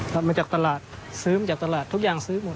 มาจากตลาดซื้อมาจากตลาดทุกอย่างซื้อหมด